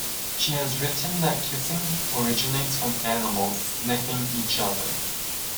She has written that kissing originates from animals sniffing each other.